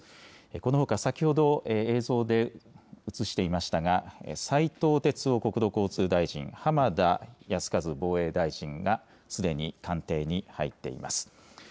このほか先ほど映像で映していましたが、斉藤鉄夫国土交通大臣、浜田靖一防衛大臣がすでに官邸に入っています。